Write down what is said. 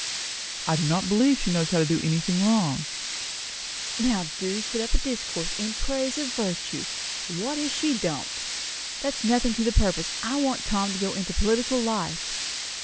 "I do not believe she knows how to do anything wrong." "Now do set up a discourse in praise of virtue! What if she don't? That's nothing to the purpose. I want Tom to go into political life."